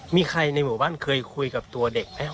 มีใครในหมู่บ้านเคยคุยกับตัวเด็กไหม